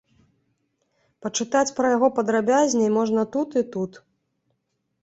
Пачытаць пра яго падрабязней можна тут і тут.